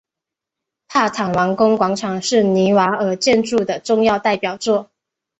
帕坦王宫广场是尼瓦尔建筑的重要代表作。